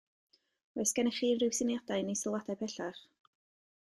Oes gennych chi unrhyw syniadau neu sylwadau pellach?